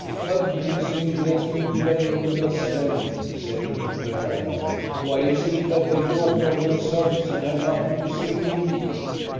"Have these infidels been playing with us, then?" said he to the dragoman. "Why is it that they talk among themselves and have nothing to say to me?"